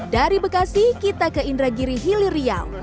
dari bekasi kita ke indragiri hilir riau